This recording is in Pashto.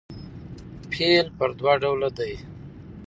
فعل پر دوه ډوله دئ.